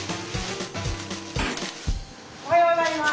おはようございます。